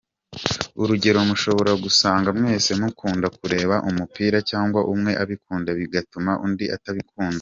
Urugero mushobora gusanga mwese mukunda kureba umupira cyangwa umwe abikunda bigatuma n’undi abikunda.